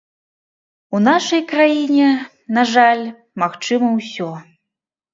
У нашай краіне, на жаль, магчыма ўсё.